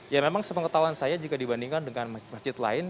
ya memang sepengetahuan saya jika dibandingkan dengan masjid masjid lain